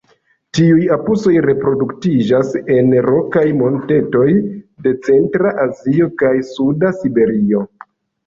Tiuj apusoj reproduktiĝas en rokaj montetoj de centra Azio kaj suda Siberio.